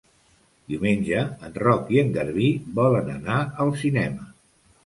Diumenge en Roc i en Garbí volen anar al cinema.